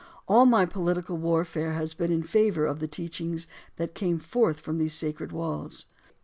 All my political warfare has been in favor of the teachings that came forth from these sacred walls.